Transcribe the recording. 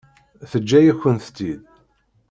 Teǧǧa-yakent-tt-id.